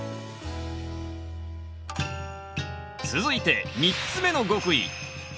続いて３つ目の極意